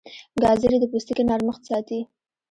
ګازرې د پوستکي نرمښت ساتي.